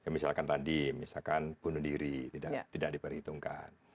misalkan tadi misalkan bunuh diri tidak diperhitungkan